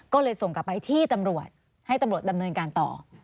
ก็เลยส่งกลับไปที่ตำรวจให้ตำรวจดำเนินการต่อ